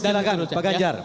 silakan pak ganjar